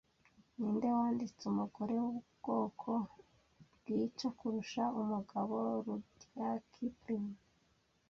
Ninde wanditse Umugore wubwoko bwica kurusha umugabo Rudyard Kipling